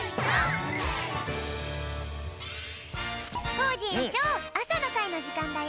コージえんちょうあさのかいのじかんだよ。